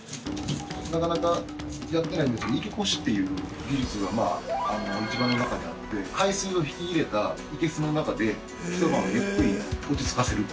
なかなかやってないんですけど、活け越しっていう技術が市場の中にあって海水を引き入れたいけすの中で一晩ゆっくり落ちつかせる。